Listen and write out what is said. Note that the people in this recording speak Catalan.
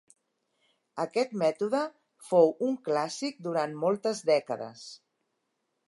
Aquest mètode fou un clàssic durant moltes dècades.